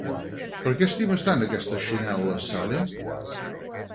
—Per què estimes tant aquestes xinel·les, Sally?